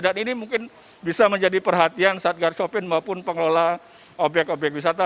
dan ini mungkin bisa menjadi perhatian satgar chopin maupun pengelola obyek obyek wisata